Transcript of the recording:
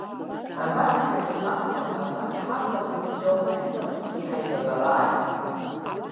Абас ҳаихлафуа, абас ҳаблақәа ччо аринахысгьы ҳаибабалааит!